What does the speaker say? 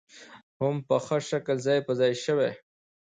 هم په ښه شکل ځاى په ځاى شوې .